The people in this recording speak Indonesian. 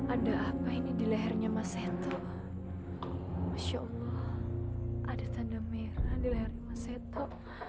ada apa ini di lehernya mas sento masya allah ada tanda merah di leherin mas seto